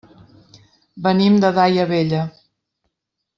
Venim de Daia Vella.